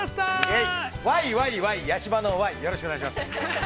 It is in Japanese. ◆ワイワイワイワイ、八嶋のワイ、よろしくお願いします。